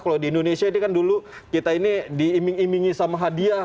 kalau di indonesia ini kan dulu kita ini diiming imingi sama hadiah